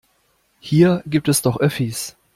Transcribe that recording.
Hier gibt es doch Öffis.